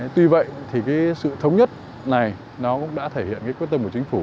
tuy vậy sự thống nhất này cũng đã thể hiện quyết tâm của chính phủ